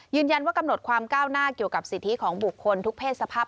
กำหนดความก้าวหน้าเกี่ยวกับสิทธิของบุคคลทุกเพศสภาพ